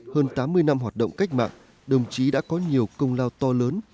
hơn tám mươi năm hoạt động cách mạng đồng chí đã có nhiều công lao to lớn